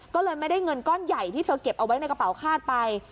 ก็เลยไม่ได้เงินก้อนใหญ่ที่เธอเก็บเอาไว้ในกระเป๋าคาดไป